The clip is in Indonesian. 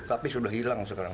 tapi sudah hilang sekarang